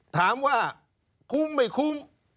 ถามว่าคุ้มไม่คุ้มนะครับ